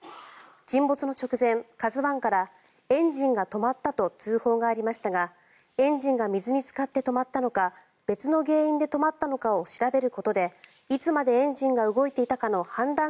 沈没の直前、「ＫＡＺＵ１」からエンジンが止まったと通報がありましたがエンジンが水につかって止まったのか別の原因で止まったのかを調べることでいつまでエンジンが動いていたのかの判断